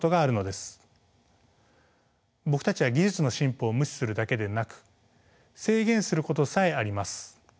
僕たちは技術の進歩を無視するだけでなく制限することさえあります。